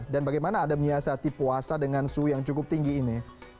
dan bagaimana anda menyiasati puasa dengan suhu yang cukup tinggi ini